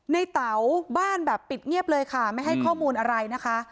เต๋าบ้านแบบปิดเงียบเลยค่ะไม่ให้ข้อมูลอะไรนะคะ